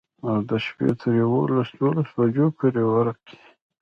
او د شپي تر يوولس دولسو بجو پورې ورقې.